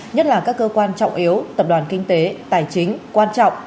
nhất là các cơ quan trọng yếu tập đoàn kinh tế tài chính quan trọng